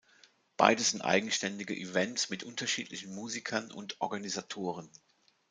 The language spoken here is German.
Beide sind eigenständige Events mit unterschiedlichen Musikern und Organisatoren.